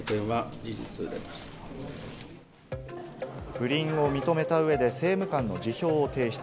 不倫を認めた上で、政務官の辞表を提出。